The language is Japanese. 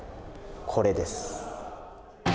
これです。